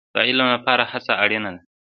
د علم لپاره هڅه اړین ده